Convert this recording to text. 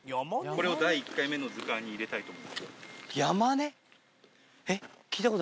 これを第１回目の図鑑に入れたいと思います。